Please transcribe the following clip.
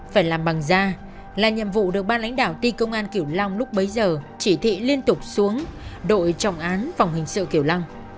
phải làm bằng da là nhiệm vụ được ban lãnh đạo ti công an kiểu long lúc bấy giờ chỉ thị liên tục xuống đội trọng án phòng hình sự kiểu lăng